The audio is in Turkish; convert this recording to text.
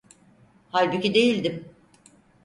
Halbuki değildim.